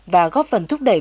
và góp phần thúc đẩy